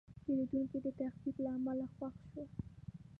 پیرودونکی د تخفیف له امله خوښ شو.